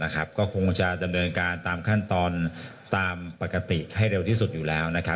ก็คงจะดำเนินการตามขั้นตอนตามปกติให้เร็วที่สุดอยู่แล้ว